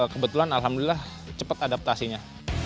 kebetulan alhamdulillah cepat adaptasinya